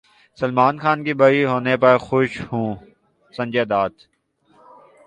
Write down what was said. سلمان خان کے بری ہونے پر خوش ہوں سنجے دت